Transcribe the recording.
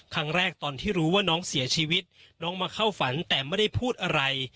ตอนที่รู้ว่าน้องเสียชีวิตน้องมาเข้าฝันแต่ไม่ได้พูดอะไร